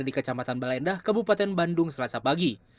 di kecamatan balendah kabupaten bandung selasa pagi